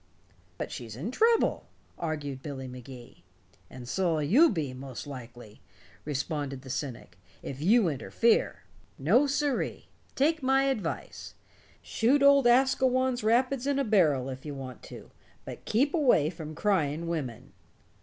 "But she's in trouble," argued Billy Magee. "And so'll you be, most likely," responded the cynic, "if you interfere. No, siree! Take my advice. Shoot old Asquewan's rapids in a barrel if you want to, but keep away from crying women."